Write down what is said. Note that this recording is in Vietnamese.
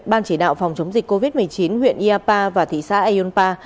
ban chỉ đạo phòng chống dịch covid một mươi chín huyện iapa và thị xã yunpa